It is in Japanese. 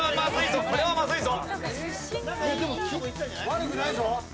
悪くないぞ！